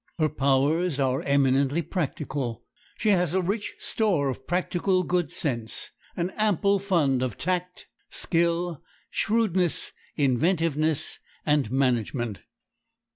Her powers are eminently practical. She has a rich store of practical good sense, an ample fund of tact, skill, shrewdness, inventiveness, and management.